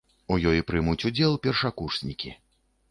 У ёй прымуць удзел першакурснікі.